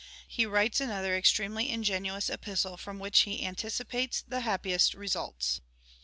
He writes another extremely ingenious epistle, from which he anticipates the happiest results.